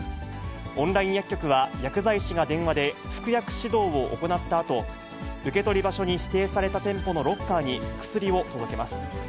オンライン薬局は、薬剤師が電話で服薬指導を行ったあと、受け取り場所に指定された店舗のロッカーに薬を届けます。